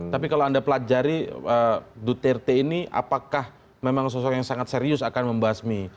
tapi kalau anda pelajari duterte ini apakah memang sosok yang sangat serius akan membasmi